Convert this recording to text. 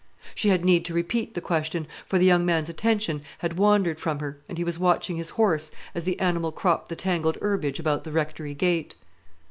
She had need to repeat the question; for the young man's attention had wandered from her, and he was watching his horse as the animal cropped the tangled herbage about the Rectory gate.